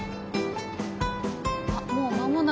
あっもう間もなく。